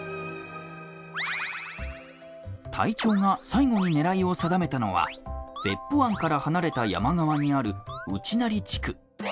隊長が最後に狙いを定めたのは別府湾から離れた山側にある内成地区。